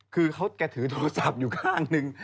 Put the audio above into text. คือเขาแกถือโทรศัพท์อยู่ข้างหนึ่ง